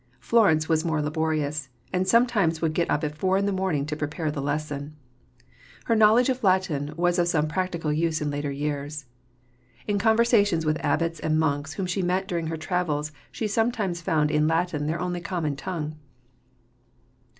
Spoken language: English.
Florence was more laborious; and sometimes would get up at four in the morning to prepare the lesson. Her knowledge of Latin was of some practical use in later years. In conversations with abbots and monks whom she met during her travels she sometimes found in Latin their only common tongue.